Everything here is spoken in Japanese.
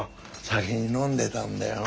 先に飲んでたんだよ。